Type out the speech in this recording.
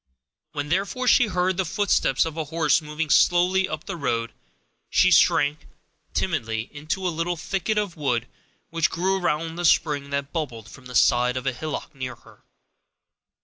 When, therefore, she heard the footsteps of a horse moving slowly up the road, she shrank, timidly, into a little thicket of wood which grew around the spring that bubbled from the side of a hillock near her.